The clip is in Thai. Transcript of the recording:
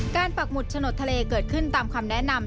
ปักหมุดฉนดทะเลเกิดขึ้นตามคำแนะนำ